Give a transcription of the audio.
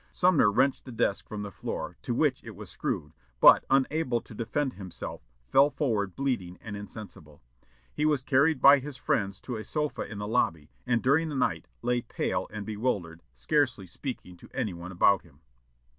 Sumner wrenched the desk from the floor, to which it was screwed, but, unable to defend himself, fell forward bleeding and insensible. He was carried by his friends to a sofa in the lobby, and during the night lay pale and bewildered, scarcely speaking to any one about him.